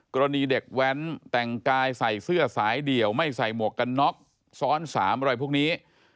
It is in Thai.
กรณีเด็กแว้นแต่งกายใส่เสื้อสายเดี่ยวไม่ใส่หมวกกันน็อกซ้อน๓อะไรพวกนี้